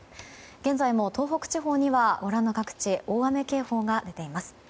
現在も東北地方には、ご覧の各地大雨警報が出ています。